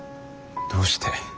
どうして。